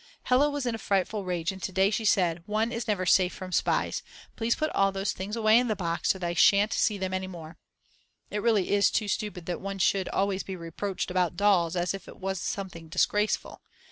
Hella was in a frightful rage and to day she said: "One is never safe from spies; please put all those things away in the box so that I shan't see them any more." It really is too stupid that one should always be reproached about dolls as if it was something disgraceful.